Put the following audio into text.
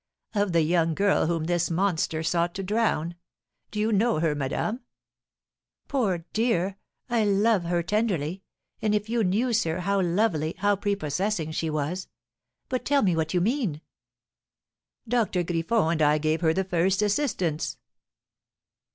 "Of the young girl whom this monster sought to drown. Do you know her, madame?" "Poor dear! I love her tenderly. Ah, if you knew, sir, how lovely, how prepossessing she was! But tell me what you mean." "Doctor Griffon and I gave her the first assistance."